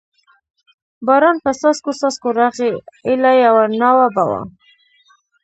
باران په څاڅکو څاڅکو راغی، ایله یوه ناوه به و.